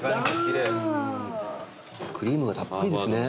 クリームがたっぷりですね。